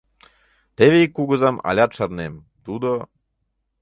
Теве ик кугызам алят шарнем, тудо...